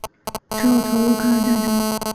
之后投入抗日战争。